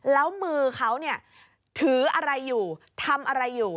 แล้วมือเขาเนี่ยถืออะไรอยู่ทำอะไรอยู่